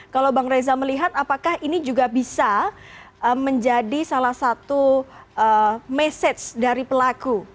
kalau bang reza melihat apakah ini juga bisa menjadi salah satu message dari pelaku